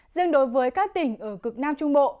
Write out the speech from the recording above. riêng đối với các tỉnh ở cực nam trung bộ